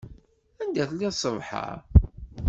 Anda i telliḍ ṣṣbeḥ-a?